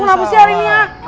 lu ngapain sih hari ini ya